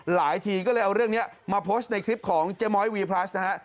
ทีก็เลยเอาเรื่องนี้มาโพสต์ในคลิปของเจ๊ม้อยวีพลัสนะฮะ